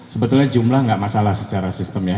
sebetulnya jumlah nggak masalah secara sistem ya